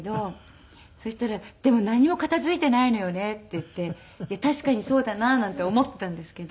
そしたら「でもなんにも片付いていないのよね」って言って確かにそうだななんて思っていたんですけど。